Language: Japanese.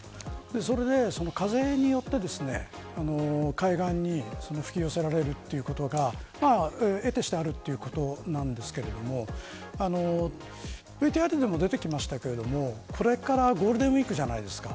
それで、風によって海岸に吹き寄せられるということが得てしてあるということなんですけれどＶＴＲでも出てきましたがこれからゴールデンウイークじゃないですか。